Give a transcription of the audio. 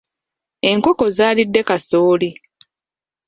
Enkoko zaalidde kasooli.